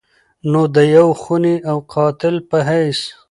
نو د يو خوني او قاتل په حېث